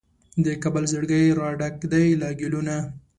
د کابل زړګی راډک دی له ګیلو نه